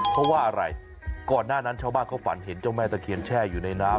เพราะว่าอะไรก่อนหน้านั้นชาวบ้านเขาฝันเห็นเจ้าแม่ตะเคียนแช่อยู่ในน้ำ